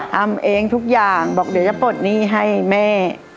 ทำเองทุกอย่างบอกเดี๋ยวจะปลดหนี้ให้แม่